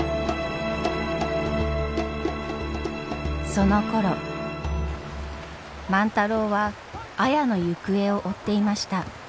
そのころ万太郎は綾の行方を追っていました。